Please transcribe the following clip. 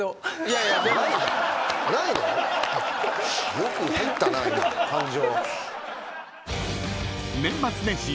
・よく入ったな今感情。